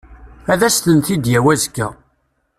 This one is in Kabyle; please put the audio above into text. Ad asen-t-id-yawi azekka.